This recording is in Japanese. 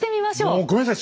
もうごめんなさい